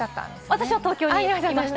私は東京にいました。